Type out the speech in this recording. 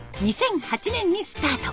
２００８年にスタート。